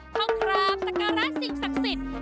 เข้าครามสการะสิ่งศักดิ์สิทธิ์